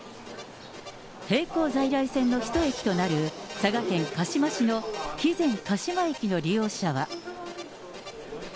並行在来線の１駅となる佐賀県鹿島市の肥前鹿島駅の利用者は。